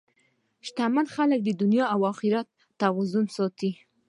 شتمن خلک د دنیا او اخرت توازن ساتي.